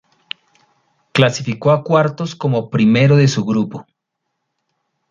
Clasificó a cuartos como primero de su grupo.